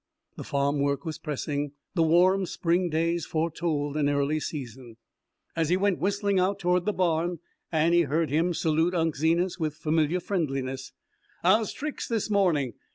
The farm work was pressing; the warm spring days foretold an early season. As he went whistling out toward the barn Annie heard him salute Unc' Zenas with familiar friendliness: "How's tricks this morning?